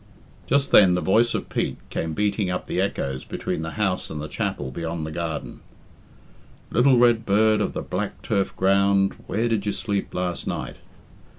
Just then the voice of Pete came beating up the echoes between the house and the chapel beyond the garden "Little red bird of the black turf ground, Where did you sleep last night?"